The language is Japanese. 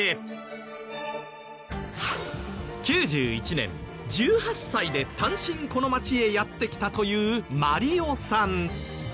９１年１８歳で単身この町へやって来たというマリオさん。